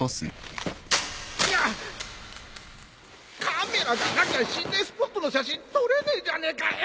カメラがなきゃ心霊スポットの写真撮れねえじゃねえかよ！